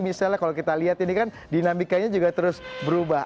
misalnya kalau kita lihat ini kan dinamikanya juga terus berubah